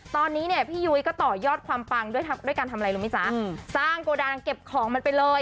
ตอนนี้เนี่ยพี่ยุ้ยก็ต่อยอดความปังด้วยการทำอะไรรู้ไหมจ๊ะสร้างโกดังเก็บของมันไปเลย